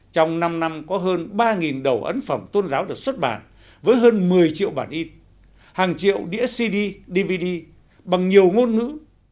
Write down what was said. trong năm năm có hơn ba đầu ấn phẩm tôn giáo được xuất bản với hơn một mươi triệu bản in hàng triệu đĩa cd dvd bằng nhiều ngôn ngữ